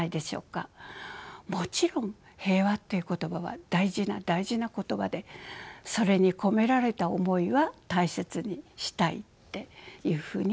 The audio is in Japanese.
もちろん「平和」という言葉は大事な大事な言葉でそれに込められた思いは大切にしたいっていうふうには思っています。